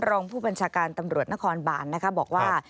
รองผู้บัญชการที่ก็บอกว่า